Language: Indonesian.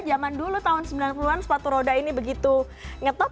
zaman dulu tahun sembilan puluh an sepatu roda ini begitu ngetop